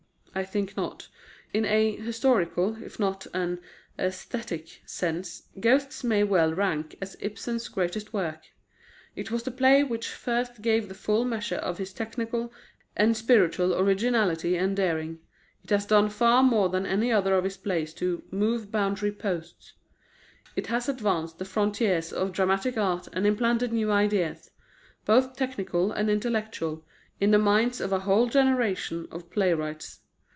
I think not. In a historical, if not in an aesthetic, sense, Ghosts may well rank as Ibsen's greatest work. It was the play which first gave the full measure of his technical and spiritual originality and daring. It has done far more than any other of his plays to "move boundary posts." It has advanced the frontiers of dramatic art and implanted new ideals, both technical and intellectual, in the minds of a whole generation of playwrights.